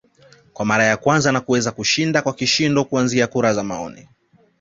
kwa mara ya kwanza na kuweza kushinda kwa kishindo kuanzia kura za maoni